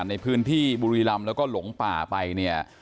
ในพื้นที่บุรีรำแล้วก็หลงป่าไปเนี่ย